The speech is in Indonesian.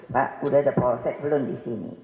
pak sudah ada poset belum di sini